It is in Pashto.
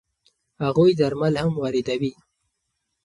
هغوی درمل هم واردوي.